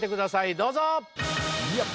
どうぞ。